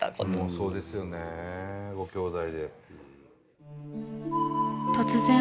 そうですよねごきょうだいで。